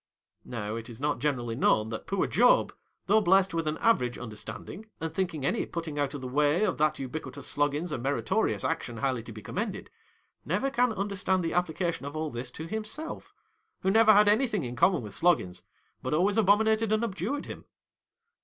Now, it is not generally known that poor Job, though blest with an average under standing, and thinking any putting out of the way of that ubiquitous Sloggins a meritorious action highly to be commended, never can understand the application of all this to him self, who never had anything in common with Sloggins, but always abominated and abjured him.